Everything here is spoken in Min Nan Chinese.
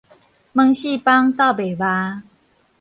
門扇板鬥袂峇